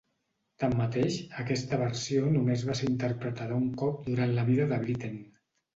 Tanmateix, aquesta versió només va ser interpretada un cop durant la vida de Britten.